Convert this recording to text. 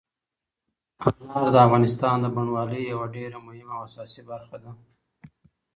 انار د افغانستان د بڼوالۍ یوه ډېره مهمه او اساسي برخه ده.